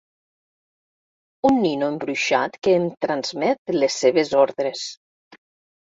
Un nino embruixat que em transmet les seves ordres.